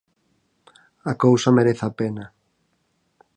A cousa merece a pena!